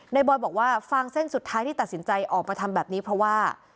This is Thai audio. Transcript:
บอยบอกว่าฟังเส้นสุดท้ายที่ตัดสินใจออกมาทำแบบนี้เพราะว่า